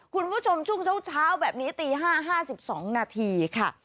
คุณผู้ชมช่วงเช้าแบบนี้ตี๕๕๒นาทีค่ะ